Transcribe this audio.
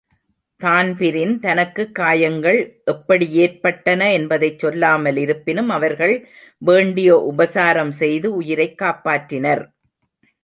தான்பிரின் தனக்குக் காயங்கள் எப்படியேற்பட்டன என்பதைச்சொல்லாம லிருப்பினும், அவர்கள் வேண்டிய உபசாரம் செய்து உயிரைக்காப்பாள்றினர்.